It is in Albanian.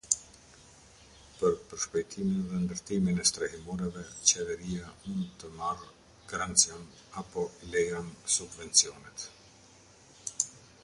Për përshpejtimin dhe ndërtimin e strehimoreve, Qeveria mund të marrë garancion apo lejon subvencionet.